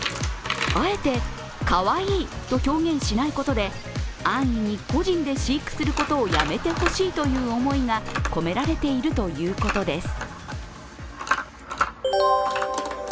あえて、かわいいと表現しないことで安易に個人で飼育することをやめてほしいという思いが込められているということです。